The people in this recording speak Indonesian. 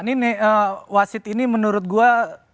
ini wasit ini menurut gue